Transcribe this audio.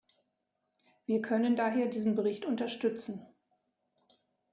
Wir können daher diesen Bericht unterstützen.